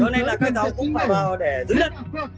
đó này là các cháu cũng phải vào để giữ đất